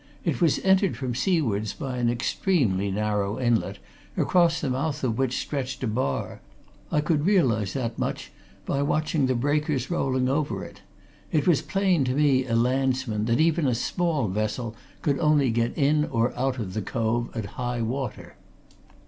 It was entered from seawards by an extremely narrow inlet, across the mouth of which stretched a bar I could realize that much by watching the breakers rolling over it; it was plain to me, a landsman, that even a small vessel could only get in or out of the cove at high water.